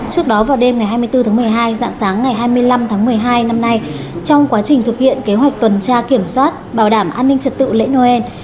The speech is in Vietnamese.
trước đó vào đêm ngày hai mươi bốn tháng một mươi hai dạng sáng ngày hai mươi năm tháng một mươi hai năm nay trong quá trình thực hiện kế hoạch tuần tra kiểm soát bảo đảm an ninh trật tự lễ noel